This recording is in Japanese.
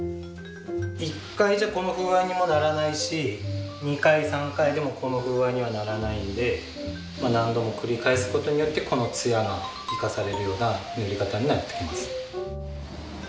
１回じゃこの風合いにもならないし２回３回でもこの風合いにはならないんで何度も繰り返すことによってこの艶が生かされるような塗り方になってきます。